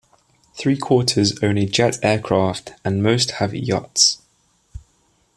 Three-quarters own a jet aircraft and most have a yacht.